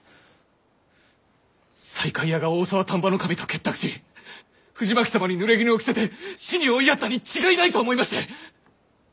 西海屋が大沢丹波守と結託し藤巻様にぬれぎぬを着せて死に追いやったに違いないと思いまして！